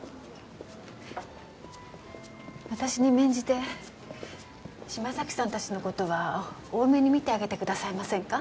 私に免じて島崎さんたちの事は大目に見てあげてくださいませんか？